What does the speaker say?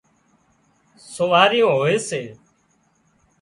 سواريون هوئي سي